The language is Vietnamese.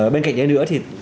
bên cạnh đấy nữa thì